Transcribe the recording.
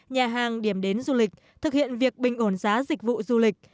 nhà hàng điểm đến du lịch thực hiện việc bình ổn giá dịch vụ du lịch